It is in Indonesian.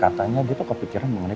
katanya dia tuh kepikiran mengenai